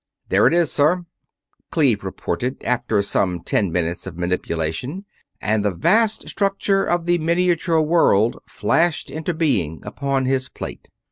"There it is, sir," Cleve reported, after some ten minutes of manipulation, and the vast structure of the miniature world flashed into being upon his plate.